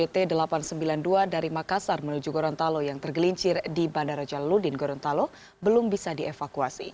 bt delapan ratus sembilan puluh dua dari makassar menuju gorontalo yang tergelincir di bandara jaludin gorontalo belum bisa dievakuasi